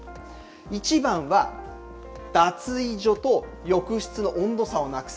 １番は脱衣所と浴室の温度差をなくす。